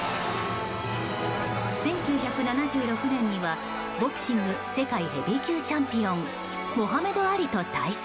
１９７６年には、ボクシング世界ヘビー級チャンピオンモハメド・アリと対戦。